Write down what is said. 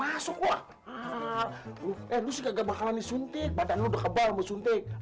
udah masuk masuk gua eh lu sih nggak bakalan disuntik badan lu udah kebal mau suntik